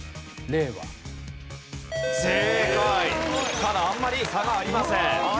ただあまり差がありません。